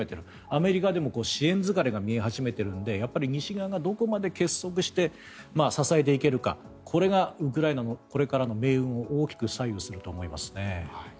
アメリカでも支援疲れが見え始めているので西側がどこまで結束して支えていけるかこれがウクライナのこれからの命運を大きく左右すると思います。